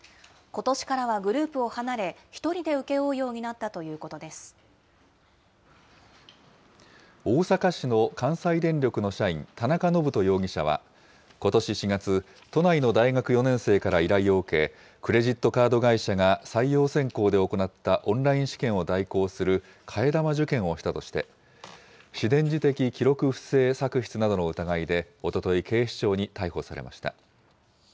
ことしからはグループを離れ、１人で請け負うようになったとい大阪市の関西電力の社員、田中信人容疑者はことし４月、都内の大学４年生から依頼を受け、クレジットカード会社が採用選考で行ったオンライン試験を代行する替え玉受験をしたとして、私電磁的記録不正作出などの疑いでおととい、警視庁に逮捕されました。